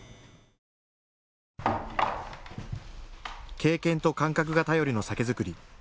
経験と感覚が頼りの酒造り。